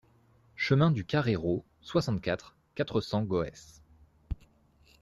Chemin du Carrérot, soixante-quatre, quatre cents Goès